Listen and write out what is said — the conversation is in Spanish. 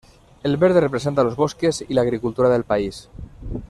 El verde representa los bosques y la agricultura del país.